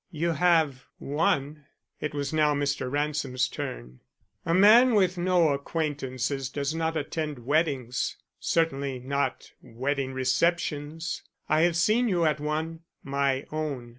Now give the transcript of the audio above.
"You have one." It was now Mr. Ransom's turn. "A man with no acquaintances does not attend weddings; certainly not wedding receptions. I have seen you at one, my own.